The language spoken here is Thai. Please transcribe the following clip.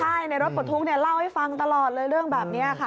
ใช่ในรถปลดทุกข์เล่าให้ฟังตลอดเลยเรื่องแบบนี้ค่ะ